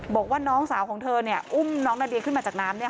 บอกว่าน้องสาวของเธออุ้มน้องนาเดียขึ้นมาจากน้ำ